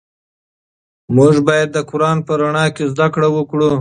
موږ باید د قرآن په رڼا کې زده کړې وکړو.